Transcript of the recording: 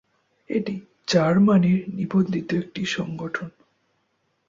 এটি জার্মানির নিবন্ধিত একটি সংগঠন।